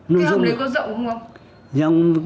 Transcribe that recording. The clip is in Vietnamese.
cái hầm đấy có rộng không ông